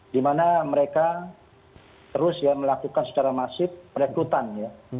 di mana mereka terus ya melakukan secara masif perekrutan ya